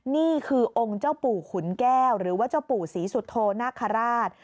นี่คือองค์เจ้าปู่ขุนแก้วหรือว่าเจ้าปู่ศรีสุโธนาคาราช